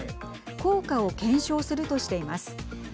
効果を検証するとしています。